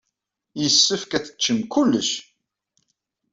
Yessefk ad teččem kullec!